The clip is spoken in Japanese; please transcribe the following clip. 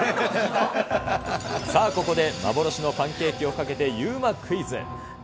さあ、ここで幻のパンケーキをかけてＵＭＡクイズ。